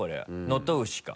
能登牛か。